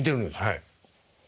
はい。